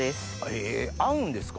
え合うんですか。